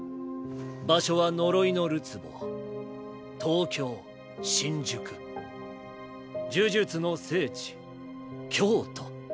場所は呪いのるつぼ東京・新宿呪術の聖地・京都。